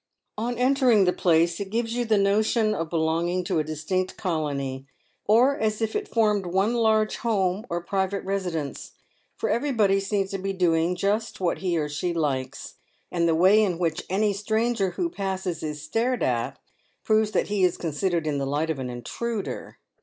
On entering the place, it gives you the notion of belonging to a distinct colony, or as if it formed one large home, or private resi dence ; for everybody seems to be doing just what he or she likes, and the way in which any stranger who passes is stared at, proves that he is considered in the light of an intruder.